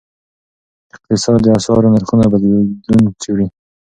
اقتصاد د اسعارو نرخونو بدلون څیړي.